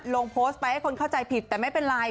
ลงโพสต์ไปให้คนเข้าใจผิดแต่ไม่เป็นไร